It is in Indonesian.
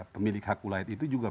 pemilik hak ulayat itu juga